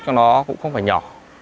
cho nó cũng không phải nhỏ